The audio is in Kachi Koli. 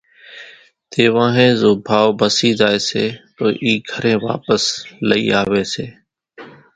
تيوانۿين زو ڀائو ڀسِي زائي سي تو اِي گھرين واپس لئي آوي سي